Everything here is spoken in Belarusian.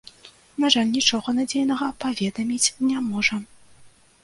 На жаль, нічога надзейнага паведаміць не можам.